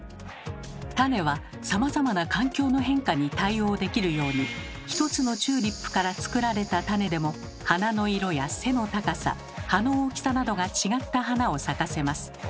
種はさまざまな環境の変化に対応できるように一つのチューリップからつくられた種でも花の色や背の高さ葉の大きさなどが違った花を咲かせます。